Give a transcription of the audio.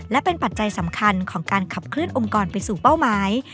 และเป็นปัจจัยสำคัญของการขับเคลื่อองค์กรไปสู่เป้าหมาย